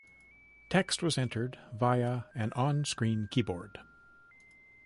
Text was entered via an on-screen keyboard.